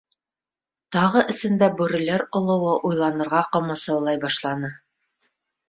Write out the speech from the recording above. Тағы эсендә бүреләр олоуы уйланырға ҡамасаулай башланы.